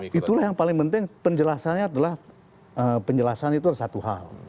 itulah yang paling penting penjelasannya adalah penjelasan itu ada satu hal